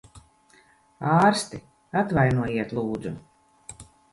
Ārsti! Atvainojiet, lūdzu.